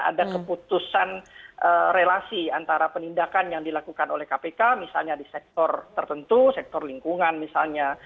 ada keputusan relasi antara penindakan yang dilakukan oleh kpk misalnya di sektor tertentu sektor lingkungan misalnya